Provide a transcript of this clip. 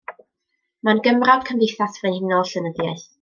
Mae'n gymrawd Cymdeithas Frenhinol Llenyddiaeth